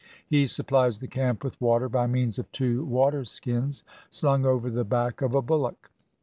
He supplies the camp with water, by means of two water 225 INDIA skins slung over the back of a bullock.